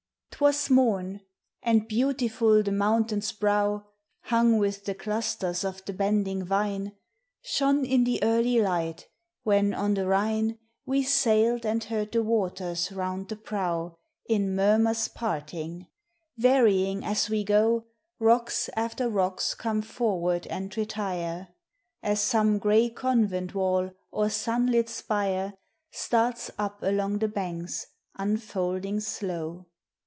'T was morn, and beautiful the mountain's brow — Hung with the clusters of the bending vine — Shone in the early light, when on the Rhine We sailed and heard the waters round the prow In murmurs parting; varying as we go, Rocks after rocks come forward and retire, As some gray convent wall or snnlil spire Starts up along the banks, unfolding slow.